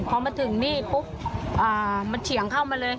พอมาถึงนี่ปุ๊บมันเฉียงเข้ามาเลย